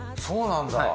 そうなんだ。